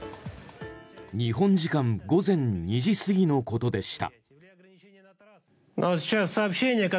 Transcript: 日本時間午前２時過ぎのことでした。